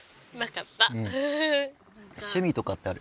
趣味とかってある？